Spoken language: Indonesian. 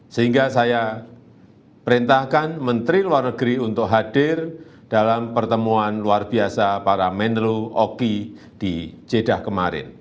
sehingga saya perintahkan menteri luar negeri untuk hadir dalam pertemuan luar biasa para menlu oki di jeddah kemarin